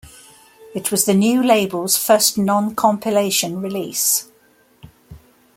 It was the new label's first non-compilation release.